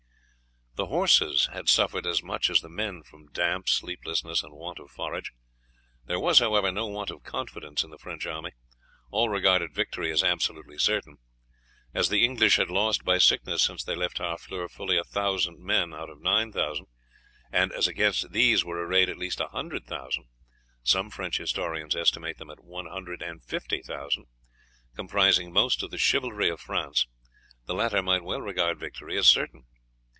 The horses had suffered as much as the men from damp, sleeplessness, and want of forage. There was, however, no want of confidence in the French army all regarded victory as absolutely certain. As the English had lost by sickness since they left Harfleur fully a thousand men out of the 9,000, and as against these were arrayed at least a hundred thousand some French historians estimate them at 150,000 comprising most of the chivalry of France, the latter might well regard victory as certain.